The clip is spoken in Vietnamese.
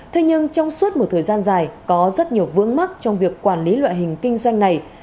thế nhưng trong suốt một thời gian dài có rất nhiều vướng mắt trong việc quản lý loại hình kinh doanh này